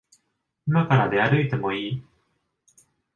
いまから出歩いてもいい？